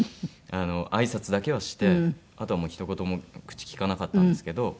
あいさつだけはしてあとはもうひと言も口利かなかったんですけど。